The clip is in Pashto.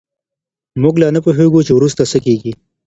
موږ لا نه پوهېږو چې وروسته څه کېږي.